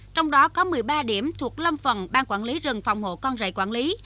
trong đó có một mươi ba điểm thuộc lâm phần ban quản lý rừng phòng hộ con rể quản lý